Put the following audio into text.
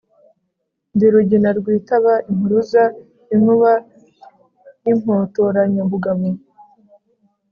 Ndi Rugina rwitaba impuruza, inkuba y’impotoranyamugabo,